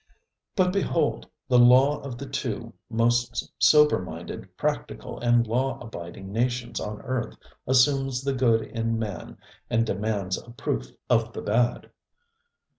ŌĆØ But behold, the law of the two most sober minded, practical and law abiding nations on earth assumes the good in man and demands a proof of the bad.